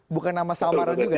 bukan nama sama ada juga ya